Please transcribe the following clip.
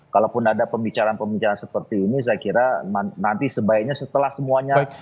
kalaupun ada pembicaraan pembicaraan seperti ini saya kira nanti sebaiknya setelah semuanya